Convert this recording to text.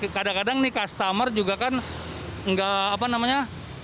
kadang kadang nih customer juga kan nggak apa namanya